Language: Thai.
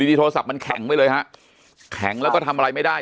ดีโทรศัพท์มันแข็งไปเลยฮะแข็งแล้วก็ทำอะไรไม่ได้